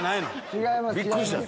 違います。